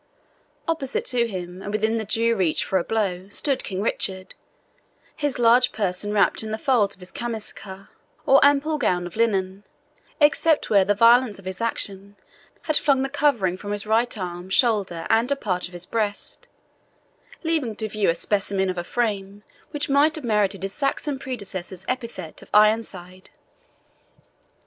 Opposite to him, and within the due reach for a blow, stood King Richard, his large person wrapt in the folds of his camiscia, or ample gown of linen, except where the violence of his action had flung the covering from his right arm, shoulder, and a part of his breast, leaving to view a specimen of a frame which might have merited his Saxon predecessor's epithet of Ironside.